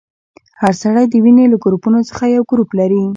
هر سړی د وینې له ګروپونو څخه یو ګروپ لري.